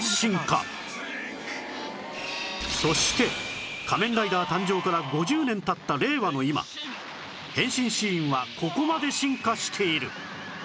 そして『仮面ライダー』誕生から５０年経った令和の今変身シーンはここまで進化している